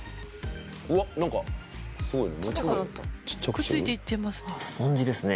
くっついていってますね。